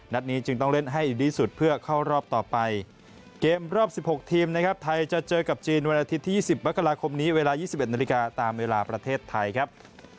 นี้จึงต้องเล่นให้ดีที่สุดเพื่อเข้ารอบต่อไปเกมรอบ๑๖ทีมนะครับไทยจะเจอกับจีนวันอาทิตย์ที่๒๐มกราคมนี้เวลา๒๑นาฬิกาตามเวลาประเทศไทยครับ